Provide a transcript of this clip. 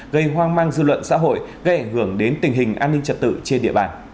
gây hoang mang dư luận xã hội gây ảnh hưởng đến tình hình an ninh trật tự trên địa bàn